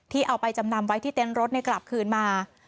เอาไปจำนำไว้ที่เต็นต์รถกลับคืนมา